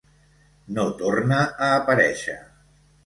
No torna a aparèixer.